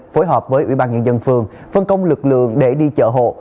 phối hợp với ủy ban nhân dân phường phân công lực lượng để đi chợ hộ